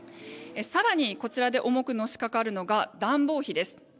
更に、こちらで重くのしかかるのが暖房費です。